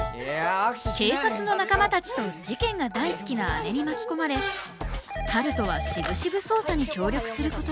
警察の仲間たちと事件が大好きな姉に巻き込まれ春風はしぶしぶ捜査に協力することに。